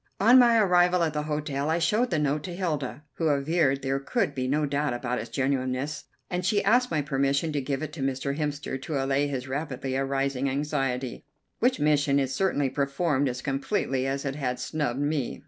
On my arrival at the hotel I showed the note to Hilda, who averred there could be no doubt about its genuineness, and she asked my permission to give it to Mr. Hemster to allay his rapidly arising anxiety, which mission it certainly performed as completely as it had snubbed me.